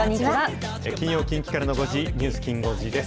金曜、近畿からの５時、ニュースきん５時です。